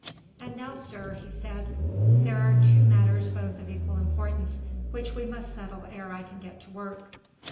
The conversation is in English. "And now, sir," he said, "there are two matters both of equal importance, which we must settle ere I can get to work."